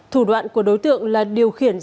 thủ đoạn của đối tượng là điều khiển